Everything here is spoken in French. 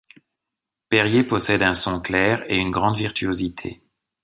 Périer possède un son clair et une grande virtuosité.